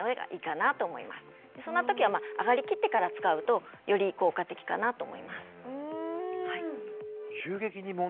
そんな時は上がりきってから使うとより効果的かなと思います。